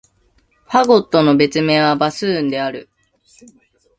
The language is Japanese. ファゴットの別名は、バスーンである。